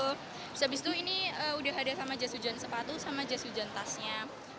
habis itu ini udah ada sama jas hujan sepatu sama jas hujan tasnya